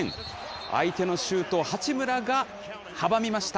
相手のシュートを八村が阻みました。